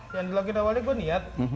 yang dilakukan awalnya gue niat